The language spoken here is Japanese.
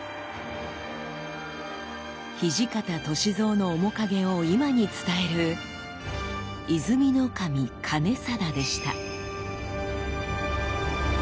土方歳三の面影を今に伝える「和泉守兼定」でした。